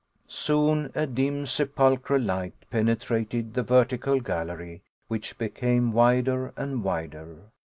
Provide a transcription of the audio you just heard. Soon a dim, sepulchral light penetrated the vertical gallery, which became wider and wider.